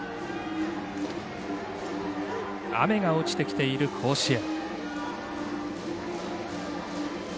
雨が落ちてきている甲子園。